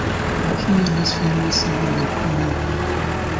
He and his family settled in Cornell.